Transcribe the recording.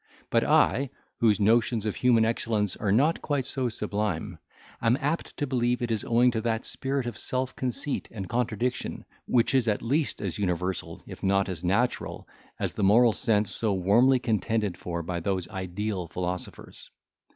But I, whose notions of human excellence are not quite so sublime, am apt to believe it is owing to that spirit of self conceit and contradiction, which is, at least, as universal, if not as natural, as the moral sense so warmly contended for by those ideal philosophers.